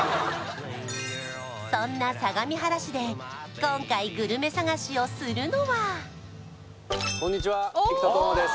そんな相模原市で今回グルメ探しをするのはこんにちは生田斗真です